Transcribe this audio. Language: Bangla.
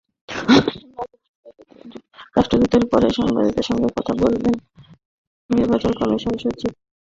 মার্কিন রাষ্ট্রদূতের পরেই সাংবাদিকদের সঙ্গে কথা বলেন নির্বাচন কমিশন সচিব হেলালুদ্দীন।